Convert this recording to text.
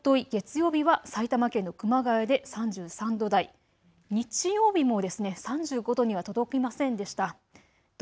おととい月曜日は埼玉県の熊谷で３３度台、日曜日も３５度には届きませんでした。